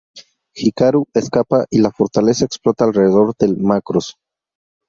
Hikaru escapa, y la fortaleza explota alrededor del "Macross".